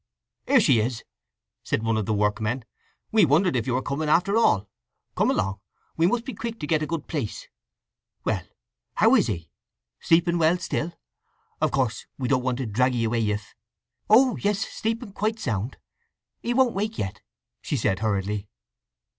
"Here she is!" said one of the workmen. "We wondered if you were coming after all. Come along; we must be quick to get a good place… Well, how is he? Sleeping well still? Of course, we don't want to drag 'ee away if—" "Oh yes—sleeping quite sound. He won't wake yet," she said hurriedly.